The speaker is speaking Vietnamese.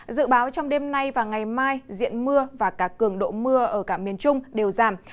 dự báo trong đêm nay và ngày mai diện mưa và cả cường độ mưa ở cả miền trung đều giảm